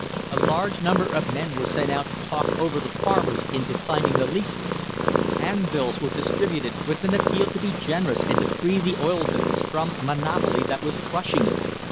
A large number of men were sent out to talk over the farmers into signing the leases. Hand bills were distributed with an appeal to be generous and to free the oil business from a monopoly that was crushing it.